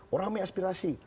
orang yang aspirasi